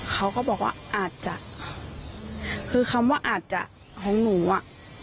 เขาก็บอกว่าอาจจะคือคำว่าอาจจะของหนูอ่ะ